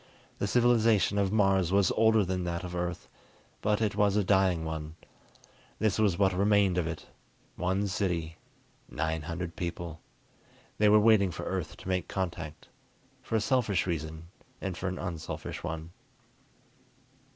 The civilization of Mars was older than that of Earth, but it was a dying one. This was what remained of it: one city, nine hundred people. They were waiting for Earth to make contact, for a selfish reason and for an unselfish one.